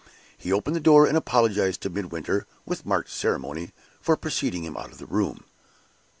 He opened the door, and apologized to Midwinter, with marked ceremony, for preceding him out of the room.